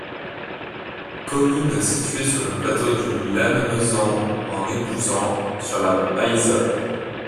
Commune située sur le du plateau de Lannemezan en Nébouzan, sur la Baïsole.